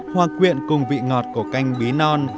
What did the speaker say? hoa quyện cùng vị ngọt của canh bí non